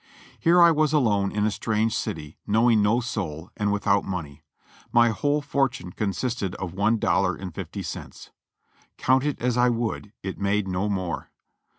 Here I was alone in a strange city, knowing no soul, and without money. My whole fortune consisted of one dollar and fifty cents. Count it as I would, it made no more.